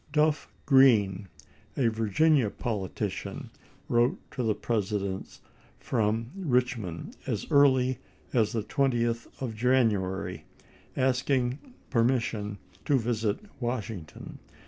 Duff Green, a Virginia politician, wrote to the President from Richmond as early as the 20th of January, asking permission to visit Washington.